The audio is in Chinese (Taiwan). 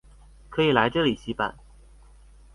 可以來這裡洗版